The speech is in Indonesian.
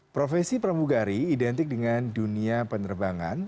profesi pramugari identik dengan dunia penerbangan